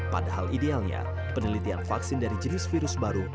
padahal idealnya penelitian vaksin dari jenis virus baru